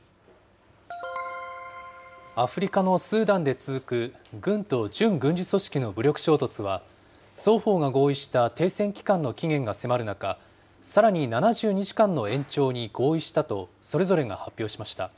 アフリカのスーダンで続く軍と準軍事組織の武力衝突は、双方が合意した停戦期間の期限が迫る中、さらに７２時間の延長に合意したとそれぞれが発表しました。